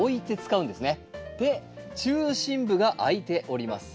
で中心部があいております。